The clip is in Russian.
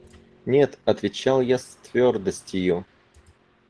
– Нет, – отвечал я с твердостию.